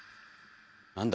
何だ？